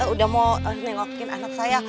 udah mau nengokin anak saya